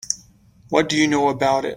What do you know about it?